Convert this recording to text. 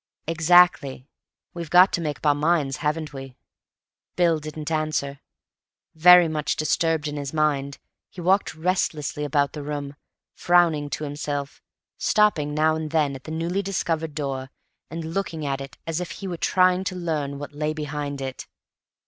"Exactly. We've got to make up our minds, haven't we?" Bill didn't answer. Very much disturbed in his mind, he walked restlessly about the room, frowning to himself, stopping now and then at the newly discovered door and looking at it as if he were trying to learn what lay behind it.